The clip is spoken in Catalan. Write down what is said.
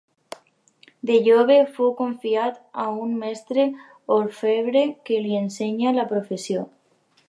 De jove, fou confiat a un mestre orfebre que li ensenyà la professió.